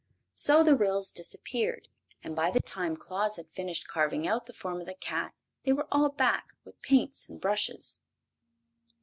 So the Ryls disappeared, and by the time Claus had finished carving out the form of the cat they were all back with the paints and brushes.